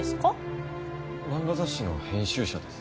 漫画雑誌の編集者です。